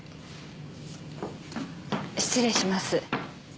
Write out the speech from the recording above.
失礼します。